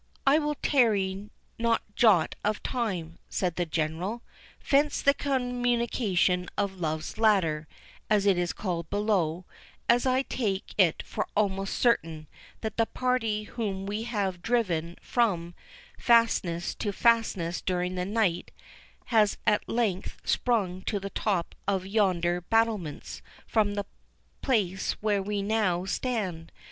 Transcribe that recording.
"I will tarry no jot of time," said the General; "fence the communication of Love's Ladder, as it is called, below, as I take it for almost certain, that the party whom we have driven from fastness to fastness during the night, has at length sprung to the top of yonder battlements from the place where we now stand.